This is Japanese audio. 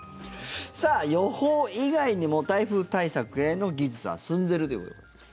さあ、予報以外にも台風対策への技術は進んでいるということですが。